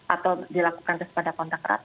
atau dilakukan tes pada kontak erat